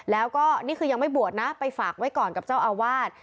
แล้วก็นี่คือยังไม่บวชนะไปฝากไว้ก่อนกับเจ้าอาวาส